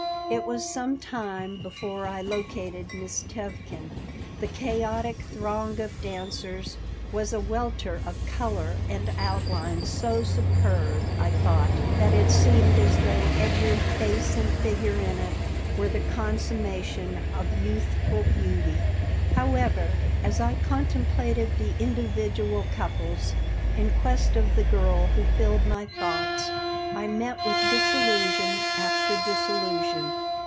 It was some time before I located Miss Tevkin. The chaotic throng of dancers was a welter of color and outline so superb, I thought, that it seemed as though every face and figure in it were the consummation of youthful beauty. However, as I contemplated the individual couples, in quest of the girl who filled my thoughts, I met with disillusion after disillusion.